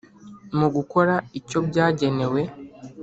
Mu gukora icyo byagenewe